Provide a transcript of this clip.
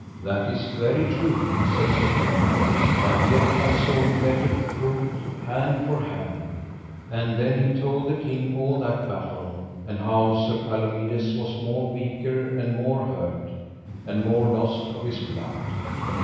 That is very truth, said Sir Dinadan, but yet I saw him better proved, hand for hand. And then he told the king all that battle, and how Sir Palomides was more weaker, and more hurt, and more lost of his blood.